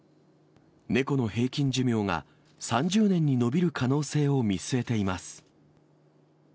猫の平均寿命が３０年に延びる可能性を見据えています。